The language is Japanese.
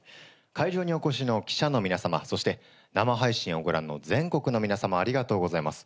会場にお越しの記者の皆さまそして生配信をご覧の全国の皆さまありがとうございます。